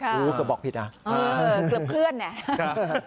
เกือบบอกผิดอ่ะเออเกือบเคลื่อนเนี่ย